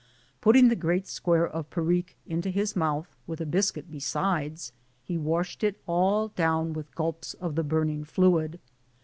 Putting the great square of Perique into his mouth, with a biscuit beside, he washed it all down with gulps of the burning fluid.